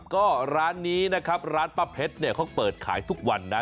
ก็ร้านนี้นะครับร้านป้าเพชรเนี่ยเขาเปิดขายทุกวันนะ